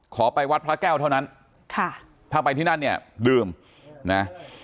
ไปวัดพระแก้วเท่านั้นค่ะถ้าไปที่นั่นเนี่ยดื่มนะ